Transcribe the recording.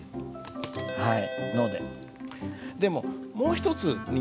はい。